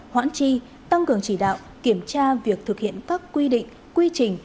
hoãn chi tăng cường chỉ đạo kiểm tra việc thực hiện các quy định quy trình